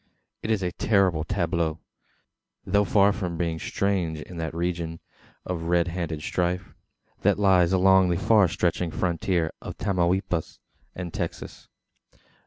It is a terrible tableau; though far from being strange in that region of red handed strife, that lies along the far stretching frontier of Tamaulipas and Texas.